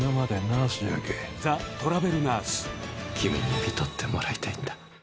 君に看取ってもらいたいんだ。